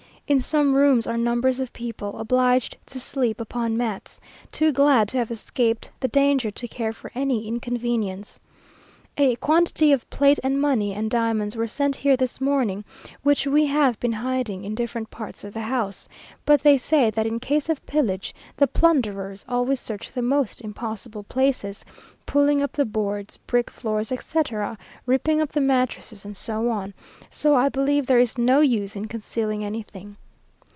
In some rooms are numbers of people, obliged to sleep upon mats, too glad to have escaped the danger to care for any inconvenience. A quantity of plate and money and diamonds were sent here this morning, which we have been hiding in different parts of the house; but they say that in cases of pillage the plunderers always search the most impossible places, pulling up the boards, brick floors, etc., ripping up the mattresses, and so on; so I believe there is no use in concealing anything.